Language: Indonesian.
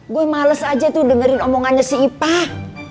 gue males aja tuh dengerin omongannya si ipah